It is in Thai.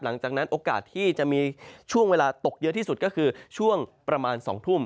หลังจากนั้นโอกาสที่จะมีช่วงเวลาตกเยอะที่สุดก็คือช่วงประมาณ๒ทุ่ม